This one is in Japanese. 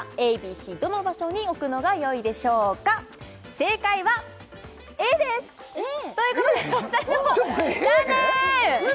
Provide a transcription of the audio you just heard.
正解はＡです！ということでお二人ともざんねん！